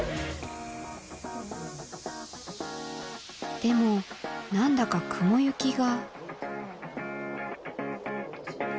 でも何だか雲行きが。